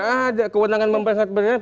nggak ada kewenangan memperhentikan